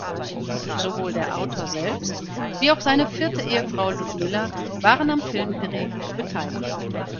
Sowohl der Autor selbst wie auch seine vierte Ehefrau Ljudmila waren am Filmdrehbuch beteiligt.